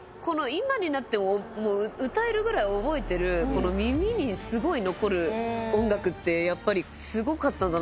今になっても歌えるぐらい覚えてる耳にすごい残る音楽ってやっぱりすごかったんだなと思って。